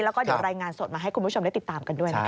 แล้วก็เดี๋ยวรายงานสดมาให้คุณผู้ชมได้ติดตามกันด้วยนะคะ